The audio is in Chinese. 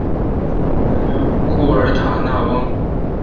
库尔塔尼翁。